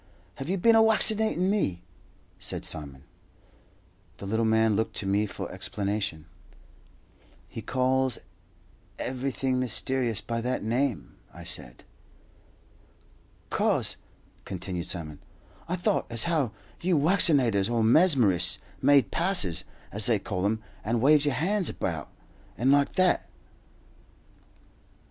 "Have you bin a waccinatin' me?" said Simon. The little man looked to me for explanation. "He calls everything mysterious by that name," I said. "'Cause," continued Simon, "I thought as how you waccinators, or mesmerists, made passes, as they call 'em, and waved your hands about, and like that."